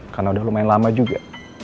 karena udah lumayan lama juga